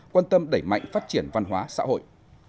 quan tâm đẩy mạnh phát triển văn hóa xã hội